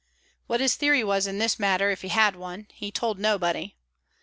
What his theory was in this matter (if he had one) he told nobody.